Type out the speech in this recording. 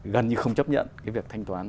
gần như không chấp nhận cái việc thanh toán